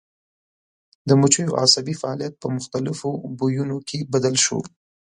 د مچیو عصبي فعالیت په مختلفو بویونو کې بدل شو.